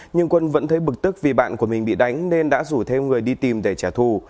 nhưng quân vẫn thấy bực tức vì bạn của mình bị đánh nên đã rủ thêm người đi tìm để trả thù